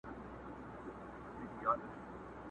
عزارییله پښه نیولی قدم اخله٫